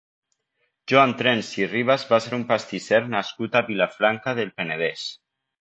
Joan Trens i Ribas va ser un pastisser nascut a Vilafranca del Penedès.